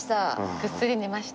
ぐっすり寝ました。